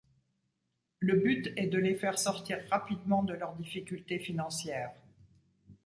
Le but est de les faire sortir rapidement de leurs difficultés financières.